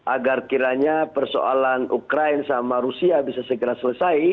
agar kiranya persoalan ukraine sama rusia bisa segera selesai